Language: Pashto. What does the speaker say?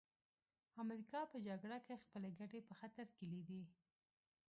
امریکا په جګړه کې خپلې ګټې په خطر کې لیدې